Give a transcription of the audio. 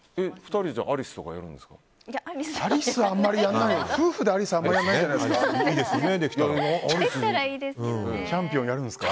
２人でアリスとかやるんですか？